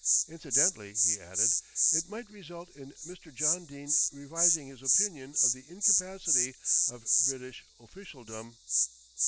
Incidentally," he added, "it might result in Mr. John Dene revising his opinion of the incapacity of British officialdom."